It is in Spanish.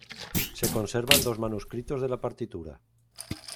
Se conservan dos manuscritos de la partitura.